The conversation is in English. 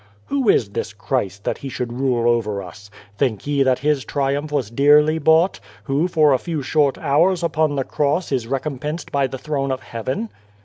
"Who is this Christ that He should rule over us ? Think ye that His triumph was dearly bought, who for a few short hours upon the Cross is recompensed by the throne of Heaven